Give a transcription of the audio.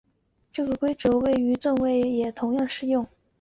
这个规则对于勋位及赠位也同样适用。